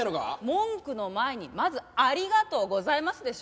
文句の前にまずありがとうございますでしょ。